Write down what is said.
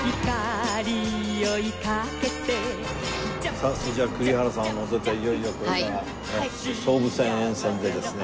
さあそれじゃあ栗原さんを乗せていよいよこれから総武線沿線でですね